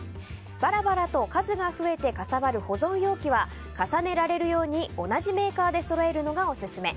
バラバラと数が増えてかさばる保存容器は重ねられるように同じメーカーでそろえるのがオススメ。